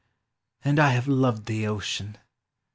And I have loved thee, Ocean